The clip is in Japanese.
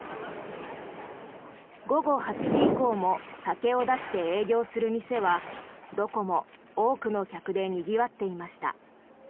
午後８時以降も酒を出して営業する店はどこも多くの客でにぎわっていました。